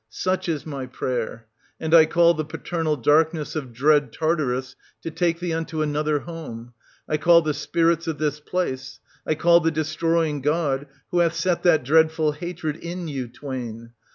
Such is my 1390 prayer ; and I call the paternal darkness of dread Tar tarus to take thee unto another home, — I call the spirits of this place, — I call the Destroying God, who hath set that dreadful hatred in you twain.